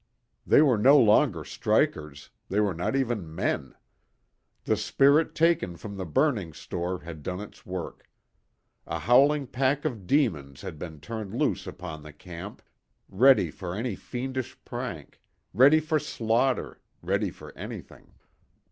They were no longer strikers, they were not even men. The spirit taken from the burning store had done its work. A howling pack of demons had been turned loose upon the camp, ready for any fiendish prank, ready for slaughter, ready for anything.